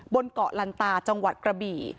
บนเกาะลันตาจังหวัดกระบี่